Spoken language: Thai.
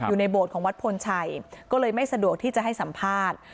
โบสถของวัดพลชัยก็เลยไม่สะดวกที่จะให้สัมภาษณ์